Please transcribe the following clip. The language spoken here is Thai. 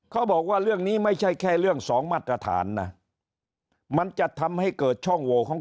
เขาบอกว่าเรื่องนี้ไม่ใช่แค่เรื่องสองมาตรฐานนะมันจะทำให้เกิดช่องโหวของ